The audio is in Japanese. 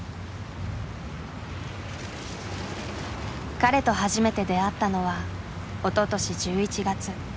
彼と初めて出会ったのはおととし１１月。